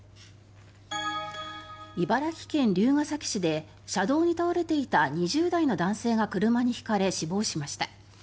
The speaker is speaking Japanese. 茨城県龍ケ崎市で車道に倒れていた２０代の男性が車にひかれ死亡しました。